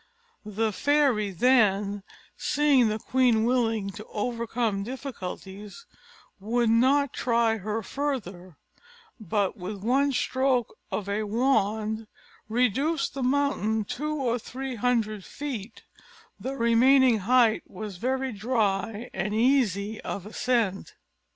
The fairy then, seeing the queen willing to overcome difficulties, would not try her further, but with one stroke of a wand reduced the mountain two or three hundred feet; the remaining height was very dry and easy of ascent.